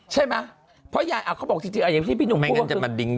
ใช่ไหมเพราะยายเขาบอกจริงอย่างที่พี่หนุ่มพูด